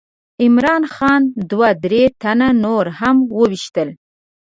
عمرا خان دوه درې تنه نور هم وویشتل.